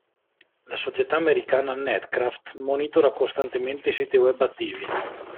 La società americana Netcraft monitora costantemente i siti web attivi.